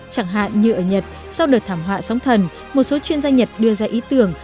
chẳng hạn như ở nhật sau đợt thảm họa sóng thần một số chuyên gia nhật đưa ra ý tưởng